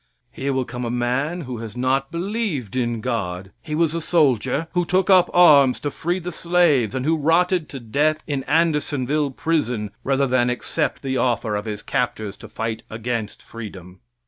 Here will come a man who has not believed in God. He was a soldier who took up arms to free the slaves and who rotted to death in Andersonville prison rather than accept the offer of his captors to fight against freedom.